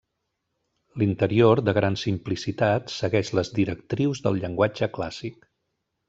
L'interior, de gran simplicitat, segueix les directrius del llenguatge clàssic.